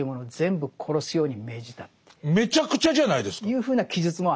めちゃくちゃじゃないですか。というふうな記述もある。